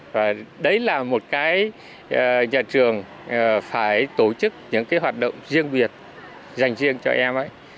và đấy là một cái nhà trường phải tổ chức những cái hoạt động riêng biệt dành riêng cho em ấy